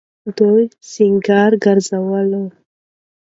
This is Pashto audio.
دوی سنګر گرځولی وو.